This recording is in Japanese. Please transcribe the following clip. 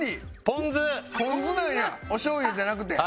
ポン酢なんやおしょうゆじゃなくて。